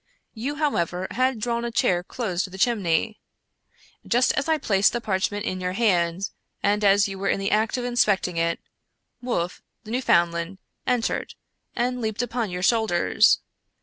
You, however, had drawn a chair close to the chimney. Just as I placed the parchment in your hand, and as you were in the act of inspecting it. Wolf, the Newfoundland, entered, and leaped upon your shoulders.